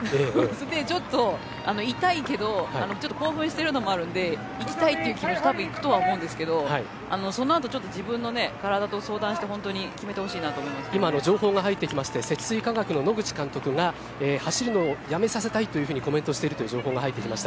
ちょっと痛いけど興奮してるのもあるんで行きたいという気持ちたぶん、行くとは思うんですけどそのあとちょっと自分の体と相談して情報が入ってきまして積水化学の野口監督が走るのをやめさせたいとコメントしているという情報が入ってきました。